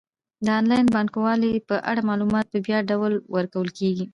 د انلاین بانکوالۍ په اړه معلومات په وړیا ډول ورکول کیږي.